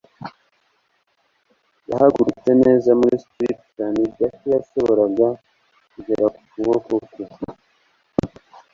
Yahagurutse neza muri stirupure; ni gake yashoboraga kugera ku kuboko kwe,